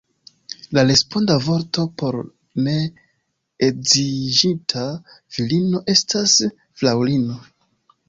La responda vorto por ne edziĝinta virino estas fraŭlino.